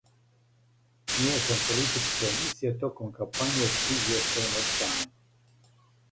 Мијешам политичке емисије током кампање с извјештајима о стању.